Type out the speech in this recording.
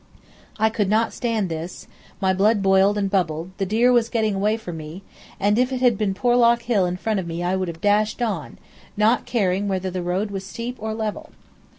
I could not stand this; my blood boiled and bubbled; the deer was getting away from me; and if it had been Porlock Hill in front of me I would have dashed on, not caring whether the road was steep or level.